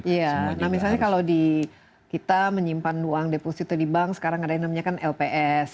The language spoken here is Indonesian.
iya nah misalnya kalau kita menyimpan uang deposito di bank sekarang ada yang namanya kan lps